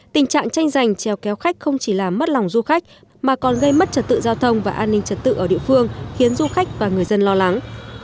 tình trạng tranh giành treo kéo khách không chỉ làm mất lòng du khách mà còn gây mất trật tự giao thông và an ninh trật tự ở địa phương khiến du khách và người dân lo lắng